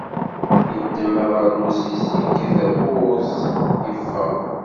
Yeddem abernus-is, yekka tawwurt yeffeɣ.